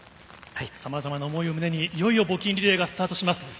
さまざまな想いを胸に募金リレーがスタートします。